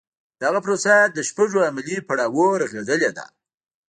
دغه پروسه له شپږو عملي پړاوونو رغېدلې ده.